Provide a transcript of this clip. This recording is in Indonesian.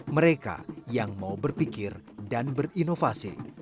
mereka yang mau berpikir dan berinovasi